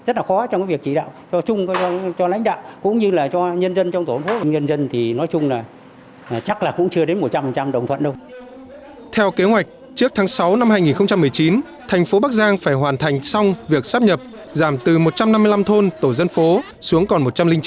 tháng sáu năm hai nghìn một mươi chín thành phố bắc giang phải hoàn thành xong việc sắp nhập giảm từ một trăm năm mươi năm thôn tổ dân phố xuống còn một trăm linh chín